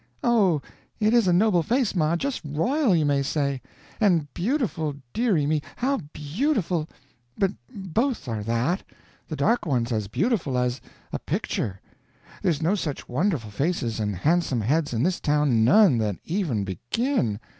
oh, it is a noble face, ma, just royal, you may say! And beautiful deary me, how beautiful! But both are that; the dark one's as beautiful as a picture. There's no such wonderful faces and handsome heads in this town none that even begin.